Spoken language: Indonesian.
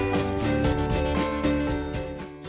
yang bersih kombinasi es krim dan tepung